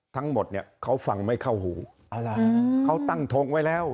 ทั้งหมดเนี่ยเขาฟังไม่เข้าหูเอาล่ะเขาตั้งทงไว้แล้ว